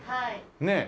ねえ。